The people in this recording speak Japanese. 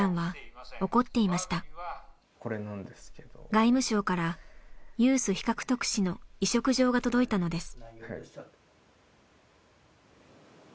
外務省からユース非核特使の委嘱状が届いたのです。